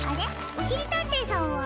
おしりたんていさんは？